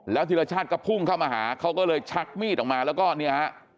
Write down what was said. ธีรชาติก็พุ่งเข้ามาหาเขาก็เลยชักมีดออกมาแล้วก็เนี่ยฮะ